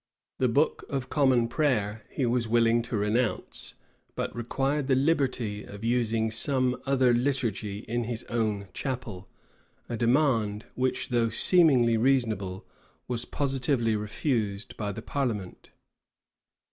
The Book of Common Prayer he was willing to renounce, but required the liberty of using some other liturgy in his own chapel; [] a demand, which, though seemingly reasonable, was positively refused by the parliament.